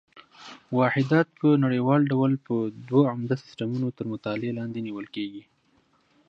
واحدات په نړیوال ډول په دوه عمده سیسټمونو تر مطالعې لاندې نیول کېږي.